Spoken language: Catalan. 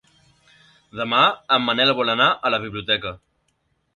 Demà en Manel vol anar a la biblioteca.